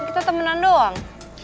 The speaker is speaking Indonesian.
kan kita temenan doang